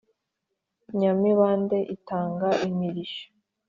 nyamibande itanga imirishyo.